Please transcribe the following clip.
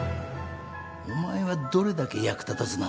お前はどれだけ役立たずなんだ。